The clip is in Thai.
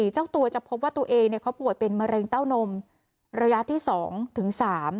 เจ้าตัวจะพบว่าตัวเองเขาป่วยเป็นมะเร็งเต้านมระยะที่๒ถึง๓